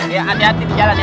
ya hati hati di jalan ya